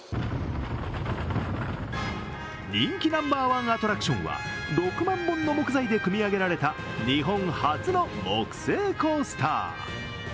人気ナンバーワンアトラクションは６万本の木材で組み上げられた日本初の木製コースター。